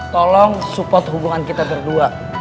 tolong support hubungan kita berdua